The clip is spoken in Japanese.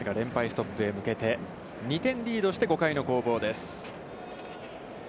ストップへ向けて２点リードして５回の攻防です。